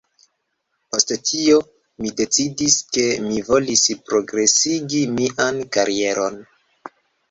Post tio, mi decidis, ke mi volis progresigi mian karieron